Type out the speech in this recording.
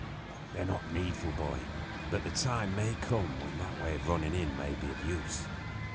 "They're not needful, boy. But the time may come when that way of running in may be of use.